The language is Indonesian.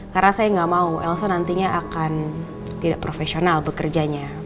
karena saya gak mau elsa nantinya akan tidak profesional bekerjanya